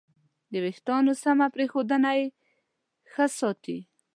د وېښتیانو سمه پرېښودنه یې ښه ساتي.